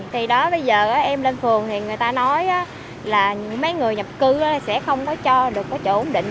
thì đó bây giờ em lên phường thì người ta nói là mấy người nhập cư sẽ không có cho được cái chỗ ổn định